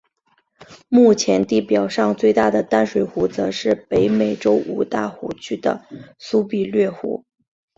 目前地表上最大的淡水湖则是北美洲五大湖区的苏必略湖。